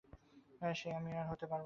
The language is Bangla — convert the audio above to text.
সে আমি হতে দিতে পারব না।